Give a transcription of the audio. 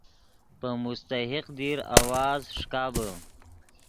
پے مستحق دیر آواز ݰیکابے